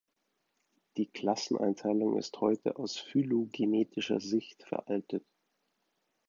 Die Klasseneinteilung ist heute aus phylogenetischer Sicht veraltet.